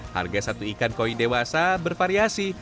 harga satu ikan koi dewasa bervariasi